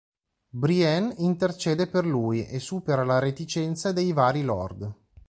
Brienne intercede per lui e supera la reticenza dei vari lord.